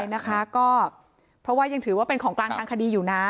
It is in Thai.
นะคะก็เพราะว่ายังถือว่าเป็นของกลางทางคดีอยู่นะ